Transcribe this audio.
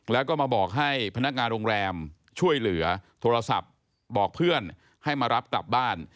แล้วก็มาบอกให้พนักงานโรงแรมช่วยเหลือโทรศัพท์บอกเพื่อนให้มารับกลับบ้าน